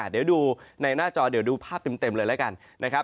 เดี๋ยวดูในหน้าจอเดี๋ยวดูภาพเต็มเลยแล้วกันนะครับ